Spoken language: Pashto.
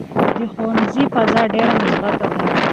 د ښوونځي فضا ډېره مثبته ده.